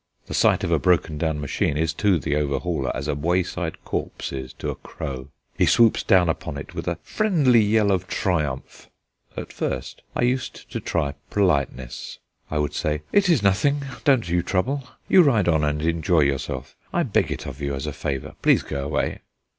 The sight of a broken down machine is to the overhauler as a wayside corpse to a crow; he swoops down upon it with a friendly yell of triumph. At first I used to try politeness. I would say: "It is nothing; don't you trouble. You ride on, and enjoy yourself, I beg it of you as a favour; please go away."